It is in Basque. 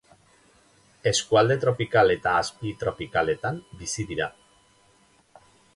Eskualde tropikal eta azpitropikaletan bizi dira.